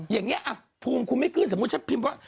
อย่างนี้ภูมิคุณไม่ขึ้นสมมุติฉันพิมพ์ว่า